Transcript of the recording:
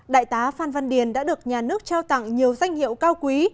đại tá phan văn điền đã được nhà nước trao tặng nhiều danh hiệu cao quý